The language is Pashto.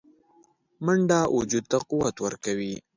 منډه وجود ته قوت ورکوي